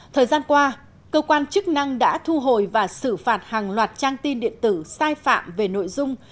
thời gian qua cơ quan chức năng đã thu hồi và xử phạt hàng loạt trang tin điện tử sai phạm về nội dung